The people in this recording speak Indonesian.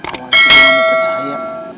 awalnya gue gak mau percaya